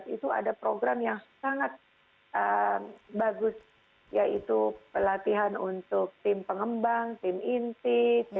itu ada program yang sangat bagus yaitu pelatihan untuk tim pengembang tim inti